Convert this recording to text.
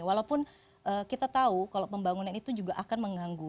walaupun kita tahu kalau pembangunan itu juga akan mengganggu